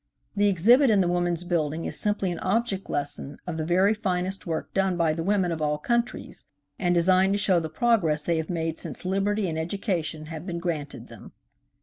The exhibit in the Woman's Building is simply an object lesson of the very finest work done by the women of all countries, and designed to show the progress they have made since liberty and education have been granted them.